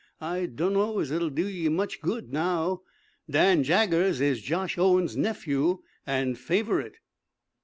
"I dunno as it'll do ye much good, now. Dan Jaggers is Josh Owen's nephew and favorite!"